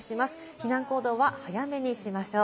避難行動は早めにしましょう。